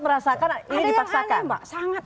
merasakan ini dipaksakan